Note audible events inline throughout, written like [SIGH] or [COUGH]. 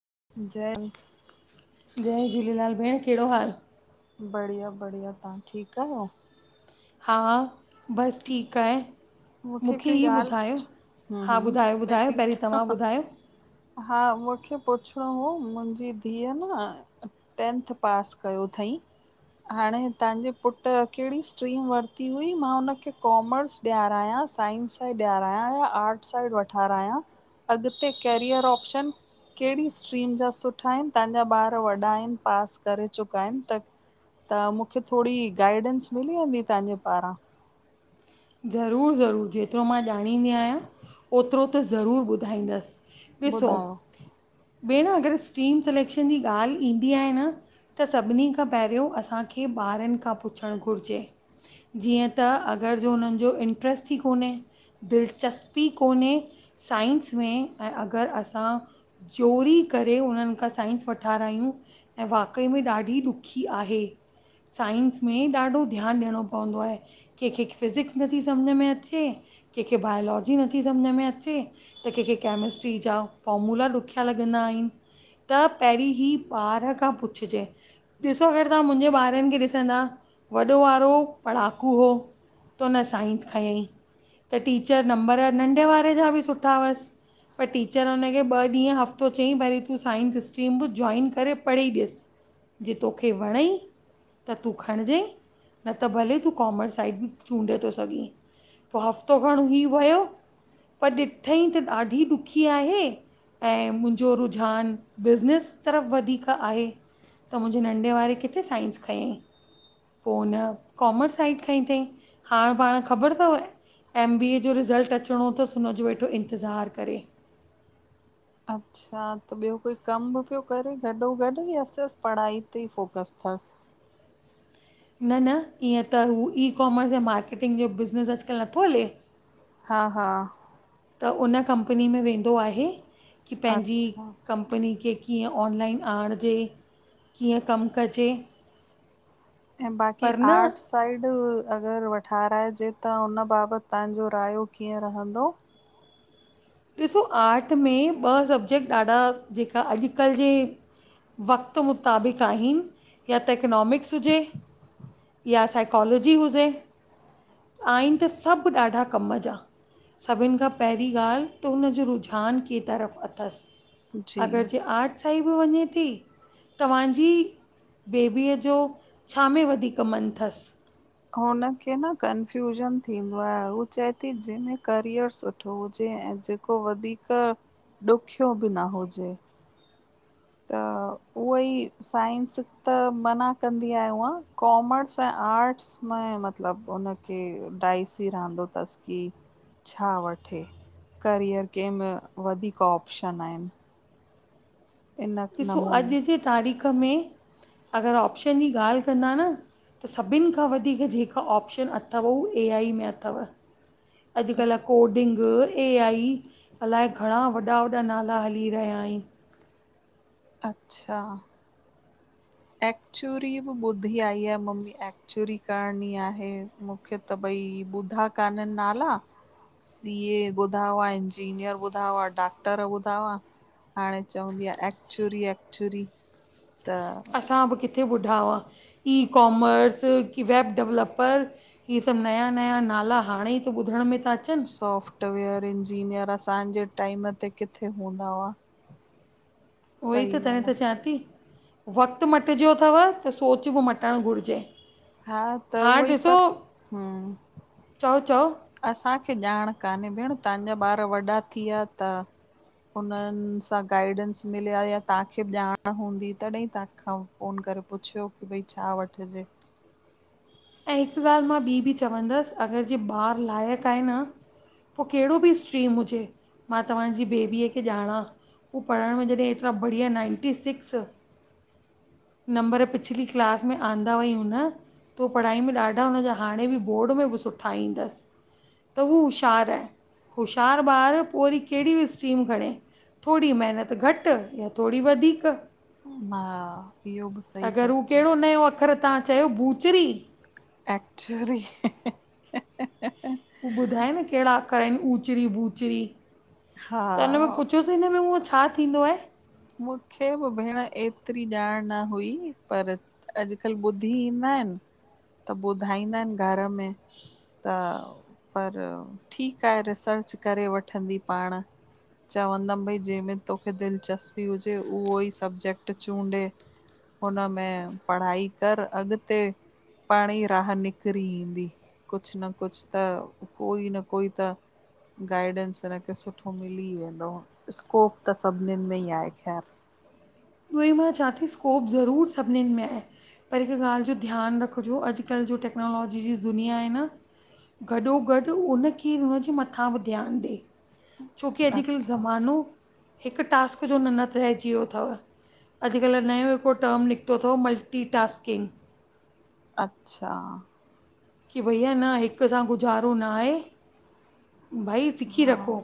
[INAUDIBLE] जय जय झूलेलाल भेण कहिड़ो हाल? बढ़िया, बढ़िया ता ठीकु आहियो? हा बस ठीकु आहे। मूंखे हिकिड़ी ईअं ॻाल्हि ॿुधायो पुछ हम्म हा, हम्म ॿुधायो ॿुधायो, पहिरीं तव्हां त ॿुधायो। हा मूंखे [UNINTELLIGIBLE] पुछिणो हुओ, मुंहिंजी धीअउ न टेंथ पास कयो थईं? हाणे तव्हांजो पुटु कहिड़ी स्ट्रीम वर्ती हुई? मां हुनखे कॉमर्स [UNINTELLIGIBLE] [UNINTELLIGIBLE] साइंस सां ॾियारायां या आर्ट साइड वठाराया आहियां। अॻिते कैरियर ऑप्शन? कहिड़ी स्ट्रीम जा सुठा आहिनि? तव्हांजा ॿार वॾा आहिनि पास करे चुका आहिनि त त मूंखे थोॾि गाइडेंस मिली वेंदी तव्हांजे पारां ज़रूरु ज़रूरु जेतिरो मां ॼाणींदी आहियां ओतिरो त ज़रूरु ॿुधाईंदसि। ॾिसो ॿुधाइयो भेण अगरि स्ट्रीम सिलेक्शन जी ॻाल्हि ईंदी आहे न त सभिनी खां पहिरियों असांखे ॿारनि खां पुछणु घुरिजे जीअं त अगरि जो हुननि जो इंट्रस्ट ई कोन्हे दिलचस्पी कोन्हे साइंस में ऐं अगरि असां जोरी करे उननि खां साइंस वठाराययूं, ऐं वाकई में ॾाढी ॾुखी आहे। साइंस में ॾाढो ध्यानु ॾियणो पवंदो आहे कंहिंखे फिजिक्स नथी सम्झ में अचे कंहिंखे बायोलॉजी नथी सम्झ में अचे, त कंहिंखे केमिस्ट्री जा [UNINTELLIGIBLE] फॉर्मूला ॾुखिया लगंदा आहिन, त पहिरीं ई ॿार खां पुछिजे। ॾिसो, अगरि तव्हां मुंहिंजे ॿारनि खे ॾिसंदा वॾो वारो पढ़ाकू हुओ। तो [UNINTELLIGIBLE] साइंस खय ईं, त टीचर नंबर नंढे वारे जा बि सुठा हुअसि पर टीचर हुनखे ॿ ॾींहं हफ़्तो चयईं भरी तूं साइंस स्ट्रीम बि जॉइन करे पढ़ी ॾिस। जे तोखे वणई त तूं खणिजई, न त भले तूं कॉमर्स साइड [UNINTELLIGIBLE] चूंडे थो सघीं पोइ हफ़्तो खण ही वियो पर ॾिठईं त ॾाढी ॾुखी आहे। ऐं मुंहिंजो रुझान बिज़नेस तरफ़ वधीक आहे। त मुंहिंजे नंढे वारे किथे साइंस खयईं। पोइ न कॉमर्स साइड खांईं अथईं हाणे पाण ख़बर अथव एम बी ए जो रिज़ल्ट अचणो तस हुनजो वेठो इंतज़ारु करे। अच्छा त ॿियो कोई कम पयो करे गॾो गॾु इया सिर्फ़ पढ़ाई ते फोकस थए पास न न ईअं त हू ई कॉमर्स या मार्केटिंग जो बिज़नस अॼुकल्ह नथो हले? हा हा त उन कंपनी में वेंदो आहे। की पंहिंजी अच्छा कंपनी खे कीअं ऑनलाइन आणिजे कीअं कमु कजे? ऐं बाक़ी पर न आर्ट साइड अगर [UNINTELLIGIBLE] ठाहराइजे त हुन बाबत तव्हांजो राय कीअं रहंदो? ॾिसो आर्ट में ॿ सबजेक्ट ॾाढा जेका अॼकल्ह जे वक़्त मुताबिक़ आहिन या त इक्नॉमिक्स हुजे या साइकोलॉजी हुजे आहिन त सभ ॾाढा कम जा। सभिन खां पहिरीं ॻाल्ह त हुनजो रुझान के तरफ़ अथस। जी अगर जे आर्टसाईड बि वञे थी तव्हांजी बेबीअ जो छा में वधीक मन तस? हुनखे न कंफ्यूजन थींदो आहे। हू चए थी जंहिंमें करियर सुठो हुजे। ऊं जेको वधीक ॾुखियो बि न हुजे। त उहई साइंस त मना कंदी आहे उअ कॉमर्स ऐं आर्ट्स में मतलब उनखे डायसी रहंदो तस की छा वठे? करियर कंहिंमें वधीक ऑप्शन आहिन। ॾिसो अॼ जे तारीख़ में अगर ऑप्शन जी ॻाल्ह कंदा न त सभिन खां वधीक जेका ऑप्शन अथव उहा ए आई में अथव। अॼकल्ह कोडिंग ॻ ए आई अलाए घणा वॾा वॾा नाला हली रहिया आहिन। अच्छा एक्चुरी बि ॿुधी आई आहे। म म्मी एक्चुरी करणी आहे मूंखे त भई ॿि ॿुधा कानन नाला सीए ॿुधा हुआ। इंजीनियर ॿुधा हुआ। डॉक्टर ॿुधा हुआ हाणे चवंदी आहे एक्चुरी एक्चुरी त के ॿुढा हुआ ई कॉमर्स की वैब डेवलपर। इहे सभ नया -नया नाला हाणे ई त ॿुधण में था अचनि सोफ्टवेयर इंजीनियर असांजे टाइम ते किथे हूंदा हुआ। उह ई सही त तॾहि ॻाल्हि आ, त चवां ती। वक़्त मटिजी वयो थव। त सोच बि मटण घुरजे। हा त उहोई पर हम्म चओ चओ असांखे [INAUDIBLE] ॼाण कान्हे भेण। तव्हांजा ॿार वॾा थी वया तव। हुनन सां गाइडेंस मिलिया या तव्हांखे ॼाण हूंदी तॾहिं तव्हां खां फोन क करे पुछियो की भई छा वठजे? ऐं हिक ॻाल्ह मां ॿी बि चवंदस। अगर जे ॿार लायक आहे न पो केड़ो बि स्ट्रीम हुजे मां तव्हांजी बेबीअ खे ॾाणा। हू पढ़ण में जॾहिं एतरा बढ़िया नाइंटी सिक्स नंबर पिछली क्लास में आंदा हुयई न त पढ़ाई में ॾाढा हुनजा हाणे बि बोर्ड में बि सुठा ईंदस त हू हूशार आहे। हूशार ॿार पो वरी केहड़ी बि स्ट्रीम खणे थोडी मेहनत घट या थोडी वधीक हा इहो बि सही था अगरि हू चओ। कहिड़ो नयो अखर तव्हां चयो भूचरी एक्चुरी हू ॿुधाए न कहिड़ा अख़र आहिनि ऊचरी बूचरी हा त हिन में पुछियोसि हिन में हूहो छा थींदो आहे? मूंखे बि भेण एतिरी ॼाण न हुई पर अॼुकल्ह ॿुधी ई न त ॿुधाईंदा आहिनि घर में त पर ठीकु आहे रिसर्च करे वठंदी पाण चवंदमि भई जंहिंम में तोखे दिलचस्पी हुजे उहो ई सबजेक्ट चूंडे हुनमें पढ़ाई कर अॻते पाणई राह निकरी ईंदी। कुछ न कुछ त कोई न कोई त गाइडेंस हिनखे सुठो मिली वेंदो। स्कोप त सभनिन में ई आहे। [INAUDIBLE] उहो ई मां चवां थी स्कोप ज़रूर सभनिन में आहे। पर हिक ॻाल्ह जो ध्यान रखजो अॼकल्ह जो टेक्नोलॉजी जी दुनिया आहे न गॾो गॾु उनखे उनजे मथां बि ध्यानु ॾे। छोकी अॼुकल्ह अच्छा ज़मानो हिकु टास्क जो ननत रहिजी वियो अथव। अॼुकल्ह नयो हिकिड़ो टर्म निकितो थव मल्टीटास्किंग अच्छा की भैया न हिक सां गुज़ारो न आहे भई सिखी हा रखो।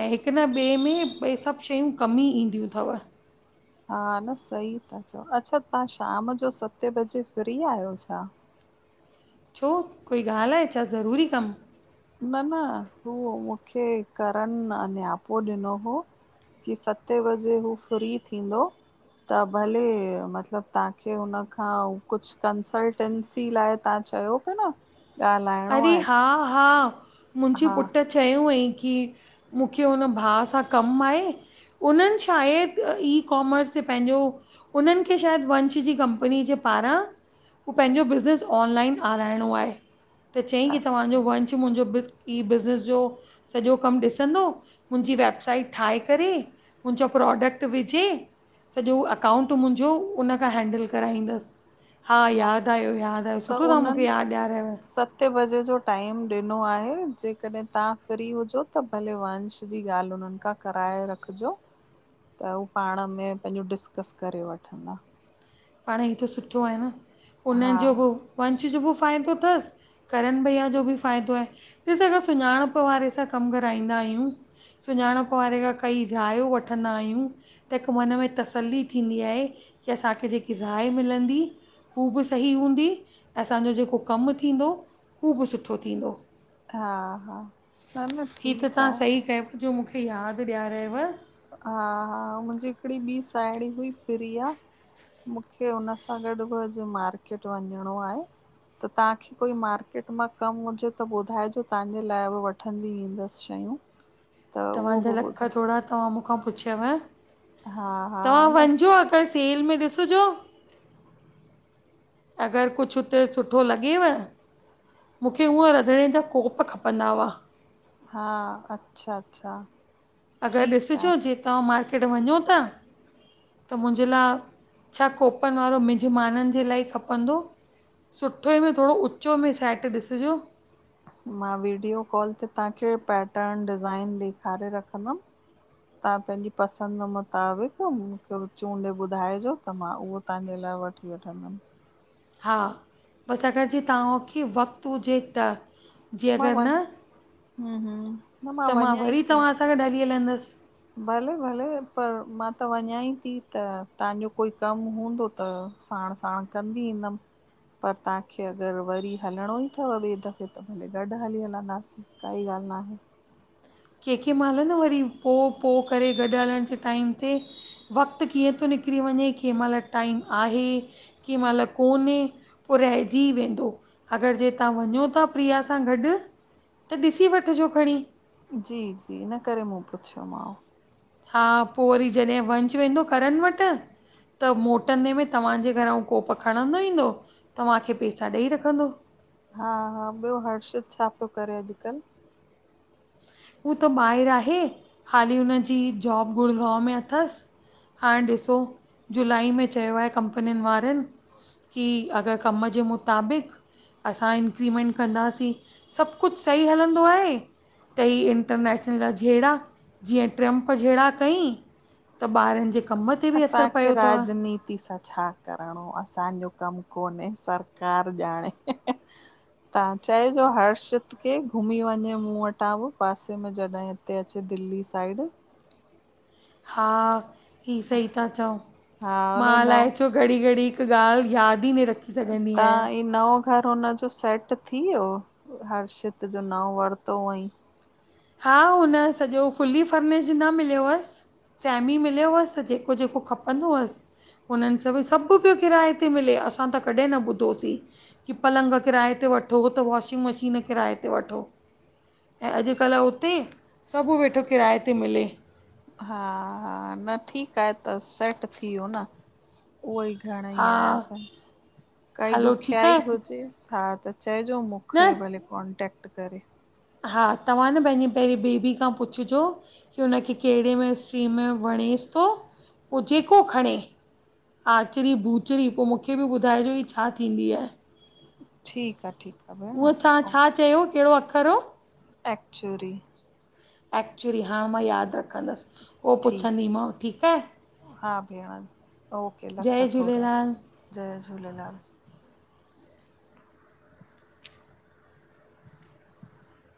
ऐं हिकु न ॿिए में ॿे सभु शयूं कमु ई ईंदियूं थव हा न सही था चओ। अच्छा तां शाम जो सते बजे फ्री आहियो छा? छो कोई ॻाल्हि आहे छा? ज़रूरी कमु न न हू मूंखे करन नि्यापो ॾिनो हो की सते वजे हू फ्री थींदो त भले मतिलबु तांखे हुन खां कुझु कंसल्टेंसी लाइ तां चयो पा न ॻाल्हाइणो अरे आहे हा हा मुंहिंजे हा पुटु चयो हुअई की मूंखे हुन भाउ सां कमु आहे उन्हनि शायदि ई कॉमर्स ते पंहिंजो उन्हनि खे शायदि वंश जी कंपनी जे पारां उहो पंहिंजो बिज़नस ऑनलाइन आराइणो आहे। त चयईं की तव्हांजो अच्छा वंच मुंहिंजो बिल ईी बिज़नेस जो सॼो कमु ॾिसंदो मुंहिंजी वेबसाइट ठाहे करे मुंहिंजा प्रोडक्ट विझे। सॼो अकाउंट मुंहिंजो उनखां हैंडल कराईंदसि। हा यादि आयो यादि आयो त सुठो तां मूंखे उन्हनि यादि ॾियारियव सते बजे जो टाइम ॾिनो आहे। जेकॾहिं तां फ्री हुजो त भले वंश जी ॻाल्हि उननि खां कराए रखजो। त हु पाण में पंहिंजो डिस्कस करे वठंदा। पाण हीअ त सुठो आहे न। हुन हा जो बि वंश जो बि फ़ाइदो थसि करनि भैया जो बि फ़ाइदो आहे। ॾिस अगरि सुञाणपु वारे सां कमु कराईंदा आहियूं सुञाणपु वारे खां कई रायो वठंदा आहियूं त हिकु मन में तसली थींदी आहे। की असांखे जेकी राय मिलंदी हू बि सही हूंदी, असांजो जेको कमु थींदो हू बि सुठो थींदो। हा हा न न हीअ त ठीकु तां आहे सही कय जो मूंखे यादि ॾियारियव हा हा मुंहिंजी हिकड़ी ॿी साहेड़ी हुई प्रिया मूंखे हुन सां गॾु बि अॼु मार्केट वञिणो आहे। त तांखे कोई मार्केट मां कमु हुजे त ॿुधाइजो तांजे लाइ बि वठंदी ईंदसि शइ तव्हांजा लख थोड़ा तव्हां मूं मूं खां पुछियव। हा हा तव्हां न वञिजो अगरि सेल में ॾिसिजो अगरि कुझु हुते सुठो लॻेव मूंखे हुअं रंधिणे जा कोप खपंदा हुआ। हा अच्छा अच्छा अगरि ठीकु ॾिसिजो आहे जे तव्हां मार्केट वञो ता त मुंहिंजे ला छ कोपन वारो मिजमाननि जे लाइ खपंदो सुठे में थोड़ो उचे में सैट ॾिसिजो। मां वीडियो कॉल ते तांखे पैटर्न डिज़ाइन ॾेखारे रखंदमि तां पंहिंजी पसंदि मुताबिक़ मूंखे चूंड ॿुधाइजो त मां उहो तांजे लाइ वठी वठंदमि हा बसि अगरि जे तव्हांखे वक़्तु हुजे त जे मां अॻरि वञ न हूं हूं न त मां वञा ई वरी थी। तव्हां हां गॾु ह भी हलंदसि भले भले त मां त वञाई ती त तांजो कोई कमु हूंदो त साण साण कंंदी ईंदम। पर तांखे अगरि वरी हलणो ई थव ॿिए दफ़े त भले गॾु हली हलंदासीं काई ॻाल्हि न आहे। कंहिं कंहिं महिल न वरी पो पो करे गॾु हलण जे टाइम ते वक़्तु कीअं थो निकिरी वञे कें महिल टाइम आहे कें महिल कोन्हे पो रहिजी वेंदो अगरि जे तां वञो था प्रिया सां गॾु त ॾिसी वठिजो खणी। जी जी इन करे मूं पुछियोमांव। हा पो वरी जॾहिं वंश वेंदो करन वट। त मोटंदे में तव्हांजे घर जो कोप खणंदो ईंदो तव्हांखे पैसा ॾेई रखंदो। हा हा ॿियो हर्षित छा पियो करे अॼकल? हू त ॿाहिर आहे हाली हुनजी जॉब गुड़गांव में अथसि। हाण ॾिसो जुलाई में चयो आहे कंपनीयुनि वारन। की अगर कम जे मुताबिक़ असां इंक्रीमेंट कंदासीं सब कुछ सही हलंदो आहे। त ही इंटरनेशनल जा जेड़ा जीअं ट्रम्प जेड़ा कईं त ॿारनि जे कम ते बि असरु असांखे पियो अथव राजनीति सां छा करणो असांजो कम कोने सरकार ॼाणे। तां चइजो हर्षित के घुमी वञे मूं वटां बि पासे में जॾह हिते अचे दिल्ली साइड। हा ही सही था चओ हा हुन मां नओ अलाए छो अचो घड़ी घड़ी ॻाल्हि याद ही न रखी सघंदी आहियां। तव्हां ई नओ घर हुन जो सेट थी वियो हर्षित जो नओ वरतो हुअईं? हा हुन यो सॼो फुली फर्निशड न मिलयो वस सैमी मिलयो हुअस त जेको जेको खपंदो हुयस हुननन सभ सभ पयो किराए ते मिले असां त कॾहिं न ॿुधोसीं की पलंग किराए ते वठो त वाशिंग मशीन किराए ते वठो ऐं अॼ अॼकल उते सभ वेठो किराए ते मिले। हा हा न ठीक आहे त सेट थी वियो न? उहो ई घणे हा ई सां काई हलो ठीकु ॾुखियाई आहे हुजेसि साथ चइजो मूंखे न भले कॉन्टेक्ट करे। हा तव्हां न पंहिंजी पहिरीं बेबी खां पुछिजो की हुनखे कहड़े में स्ट्रीम में वणे बि तो पो जेको खणे। आचरी ॿूचरी पो मूंखे बि ॿुधाइजो ही छा थींदी आहे। ठीक आ ठीक। उहो तां छा चयो कहिड़ो अख़रु। एकचुरी एक्चुली हाणे मां यादि रखंदस पो पुछंदी ठीकु माव ठीक आहे। हा भेण ओके जय लख-लख थोरा झूलेलाल जय झूलेलाल।